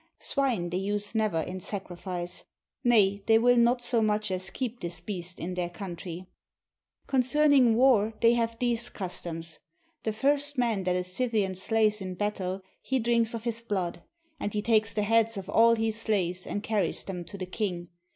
Swine they use never in sacrifice; nay, they will not so much as keep this beast in their country. Concerning war they have these customs. The first man that a Scythian slays in battle he drinks of his blood ; and he takes the heads of all he slays and carries them to the king.